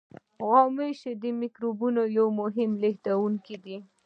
غوماشې د میکروبونو یو مهم لېږدوونکی دي.